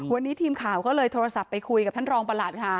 วันนี้ทีมข่าวก็เลยโทรศัพท์ไปคุยกับท่านรองประหลัดค่ะ